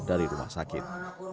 dari rumah sakit